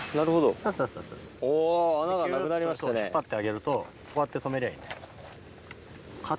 ギュっと引っ張ってあげるとこうやって留めりゃいい。